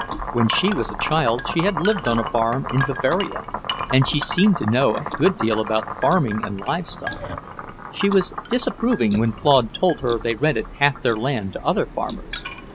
When she was a child she had lived on a farm in Bavaria, and she seemed to know a good deal about farming and live stock. She was disapproving when Claude told her they rented half their land to other farmers.